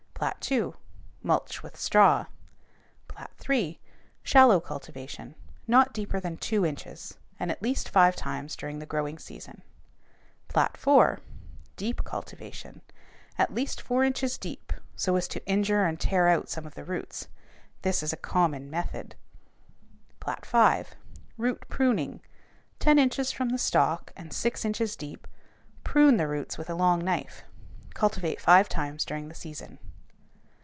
Plat 2. Mulch with straw. Plat 3. Shallow cultivation: not deeper than two inches and at least five times during the growing season. Plat 4. Deep cultivation: at least four inches deep, so as to injure and tear out some of the roots (this is a common method). Plat 5. Root pruning: ten inches from the stalk and six inches deep, prune the roots with a long knife. Cultivate five times during the season.